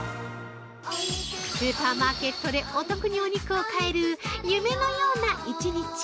スーパーマーケットでお得にお肉を買える夢のような一日。